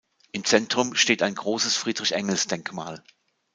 Im Zentrum steht ein großes Friedrich-Engels-Denkmal.